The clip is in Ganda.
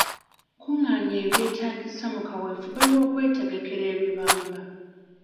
Kungaanya ebyetaagisa mu kaweefube w'okwetegekera ebibamba.